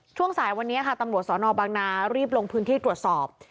ช่วงสายวันนี้ค่ะตำรวจสนบางนารีบลงพื้นที่ตรวจสอบ